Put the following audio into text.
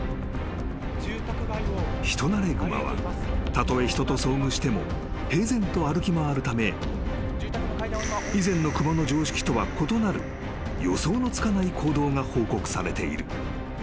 ［人慣れグマはたとえ人と遭遇しても平然と歩き回るため以前の熊の常識とは異なる予想のつかない行動が報告されている］